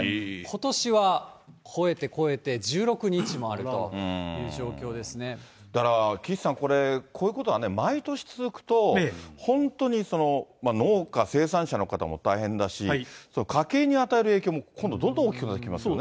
ことしは超えて超えて、だから岸さん、これ、こういうことはね、毎年続くと、本当にその、農家、生産者の方も大変だし、家計に与える影響も、今度、どんどん大きくなってきますからね。